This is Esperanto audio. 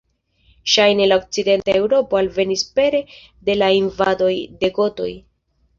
Ŝajne al okcidenta Eŭropo alvenis pere de la invadoj de gotoj.